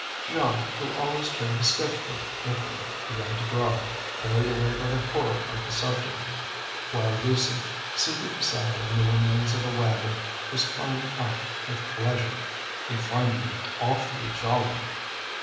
Jeanne, who always carried a sketch book with her, began to draw, carried away by the horror of the subject; while Lucie, seated beside her on the remains of a wagon, was crying out with pleasure, and finding it awfully jolly.